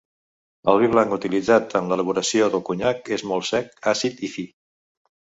El vi blanc utilitzat en l'elaboració del conyac és molt sec, àcid i fi.